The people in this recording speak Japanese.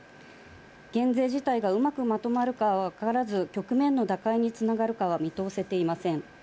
減税自体がうまくまとまるか分からず、局面の打開につながるかは見通せていません。